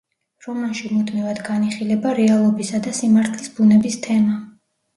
რომანში მუდმივად განიხილება რეალობისა და სიმართლის ბუნების თემა.